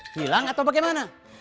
hilang atau bagaimana